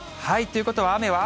ということは、雨は？